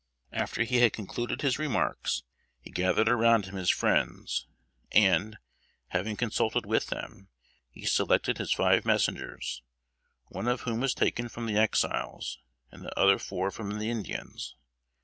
After he had concluded his remarks, he gathered around him his friends, and, having consulted with them, he selected his five messengers, one of whom was taken from the Exiles, and the other four from the Indians.